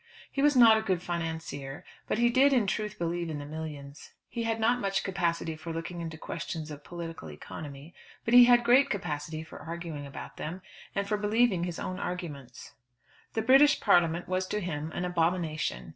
He was not a good financier, but he did in truth believe in the millions. He had not much capacity for looking into questions of political economy, but he had great capacity for arguing about them and for believing his own arguments. The British Parliament was to him an abomination.